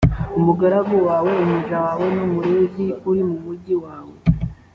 umugaragu wawe, umuja wawe, n’umulevi uri mu mugi wawe;